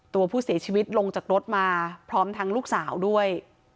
ตัวผู้เสียชีวิตลงจากรถมาพร้อมทั้งลูกสาวด้วย